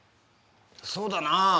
そうだな。